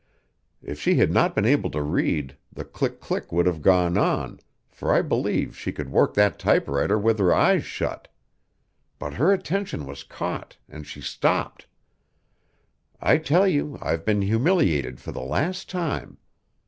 If she had not been able to read, the click click would have gone on, for I believe she could work that typewriter with her eyes shut. But her attention was caught, and she stopped. I tell you I've been humiliated for the last time.